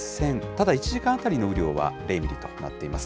ただ１時間当たりの雨量は０ミリとなっています。